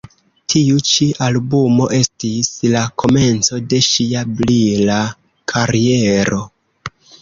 Tiu ĉi albumo estis la komenco de ŝia brila kariero.